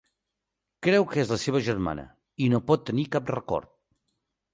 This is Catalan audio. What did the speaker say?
Creu que és la seva germana, i no pot tenir cap record.